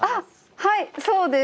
はいそうです。